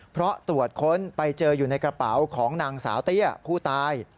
เพราะตรวจค้นไปเจออยู่ในกระเป๋าของนางสาวเตี้ยผู้ตาย